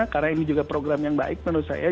karena ini juga program yang baik menurut saya